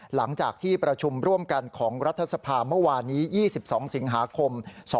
หลังจากที่ประชุมร่วมกันของรัฐสภาเมื่อวานนี้๒๒สิงหาคม๒๕๖